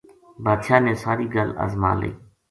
بادشاہ نے ساری گل ازما لئی